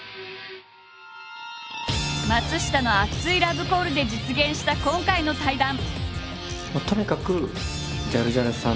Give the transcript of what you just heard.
松下の熱いラブコールで実現した今回の対談。